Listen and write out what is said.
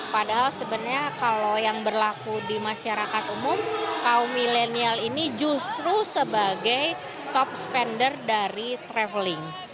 padahal sebenarnya kalau yang berlaku di masyarakat umum kaum milenial ini justru sebagai top spander dari traveling